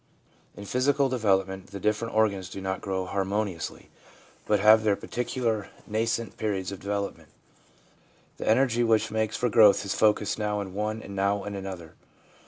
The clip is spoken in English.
In physical development the different organs do not grow harmoniously, but have their particular nascent periods of development. The energy which makes for growth is focused now in one and now in another.